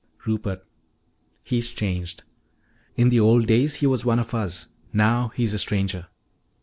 "Rupert. He's changed. In the old days he was one of us; now he's a stranger.